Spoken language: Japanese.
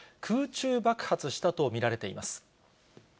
空中爆発したと見られています。